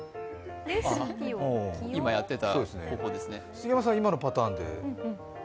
杉山さん、今のパターンで。